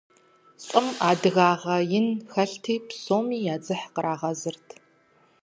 ЛӀым адыгагъэ ин хэлъти, псоми я дзыхь кърагъэзырт.